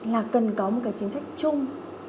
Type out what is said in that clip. là cần có một cái chính sách chung